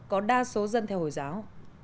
có đa số dân theo hồi giáo